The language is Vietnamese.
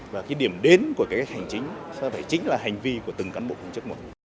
và cái điểm đến của cải cách hành chính sẽ phải chính là hành vi của từng cán bộ công chức một